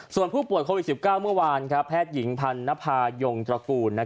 ส่วนผู้ปลูกสู่โควิด๑๙เมื่อวานแพทย์หญิงภาณภายพรโจรกุล